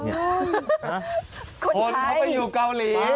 โทษนะไปอยู่เกาหลี